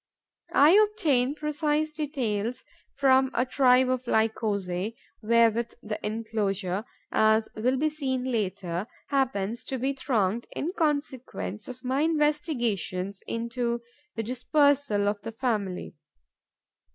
I obtain precise details from a tribe of Lycosae wherewith the enclosure, as will be seen later, happens to be thronged in consequence of my investigations into the dispersal of the family.